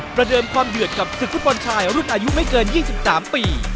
ประเดิมความเดือดกับศึกฟุตบอลชายรุ่นอายุไม่เกิน๒๓ปี